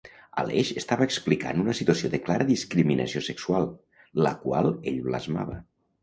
Aleix estava explicant una situació de clara discriminació sexual, la qual ell blasmava.